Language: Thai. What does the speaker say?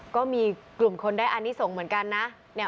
ก็มีกลุ่มคนได้อันนี้ส่งเหมือนกันนะ